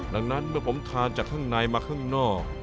ดังนั้นเมื่อผมทานจากข้างในมาข้างนอก